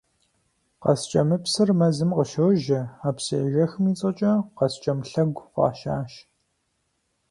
Къаскӏэмыпсыр мэзым къыщожьэ, а псыежэхым и цӏэкӏэ «Къаскӏэм лъэгу» фӏащащ.